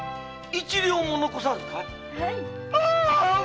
一両も残さずかい？